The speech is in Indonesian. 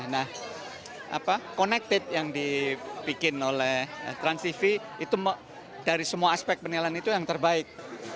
nah connected yang dibikin oleh transtv itu dari semua aspek penilaian itu yang terbaik